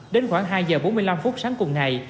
đến khoảng hai giờ bốn mươi năm phút sáng cùng ngày